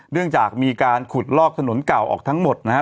เรื่องจากมีการขุดลอกถนนเก่าออกทั้งหมดนะครับ